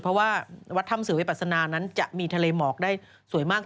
เพราะว่าวัดถ้ำเสือวิปัสนานั้นจะมีทะเลหมอกได้สวยมาก